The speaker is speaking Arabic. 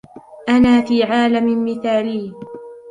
أنا في عالم مثالي.